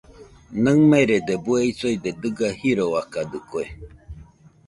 Naɨmerede bueisoide dɨga jiroakadɨkue.